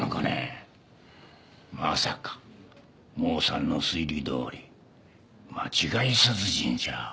まさかモーさんの推理どおり間違い殺人じゃ。